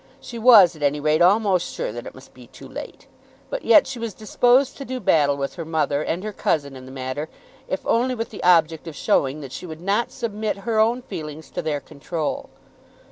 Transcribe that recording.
She was, at any rate, almost sure that it must be too late. But yet she was disposed to do battle with her mother and her cousin in the matter if only with the object of showing that she would not submit her own feelings to their control.